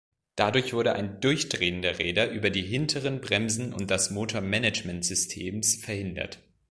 Dadurch wurde ein Durchdrehen der Räder über die hinteren Bremsen und das Motormanagement-Systems verhindert.